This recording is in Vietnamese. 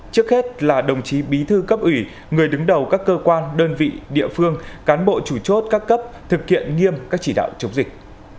trước hết là đồng chí bí thư cấp ủy người đứng đầu các cơ quan đơn vị địa phương cán bộ chủ chốt các cấp thực hiện nghiêm các chỉ đạo chống dịch